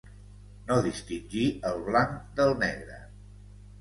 No distingir el blanc del negre.